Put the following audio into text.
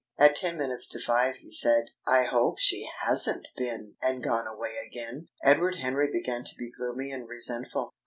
At ten minutes to five he said: "I hope she hasn't been and gone away again!" Edward Henry began to be gloomy and resentful.